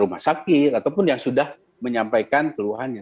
rumah sakit ataupun yang sudah menyampaikan keluhannya